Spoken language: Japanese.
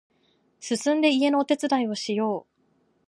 すすんで家のお手伝いをしよう